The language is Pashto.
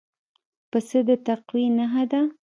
پسه د تقوی نښه ده.